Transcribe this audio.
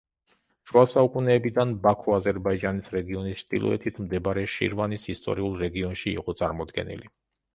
შუა საუკუნეებიდან ბაქო აზერბაიჯანის რეგიონის ჩრდილოეთით მდებარე შირვანის ისტორიულ რეგიონში იყო წარმოდგენილი.